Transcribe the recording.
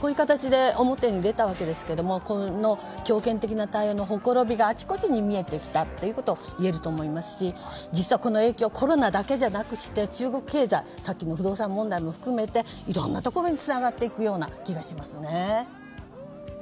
こういう形で表に出たわけですがこの強権的な対応の綻びがあちこちに見えてきたといえると思いますし実はこの影響コロナだけじゃなくして中国経済は先ほどの不動産不況も含めていろんなところにつながっていく気がしますね。